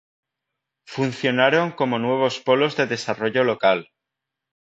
Funcionaron como nuevos polos de desarrollo local.